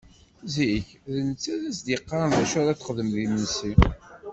Zik, d netta i d as-d-yeqqaren d acu ara d-texdem d imensi.